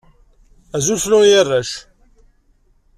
Azul fell-awen a arrac.